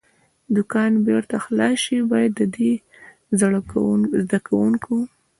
دوکان بېرته خلاص شي، باید د دې زده کوونکو.